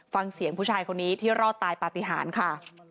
ฟังเสียงผู้ชายคนนี้ที่รอดตายปฏิหารค่ะ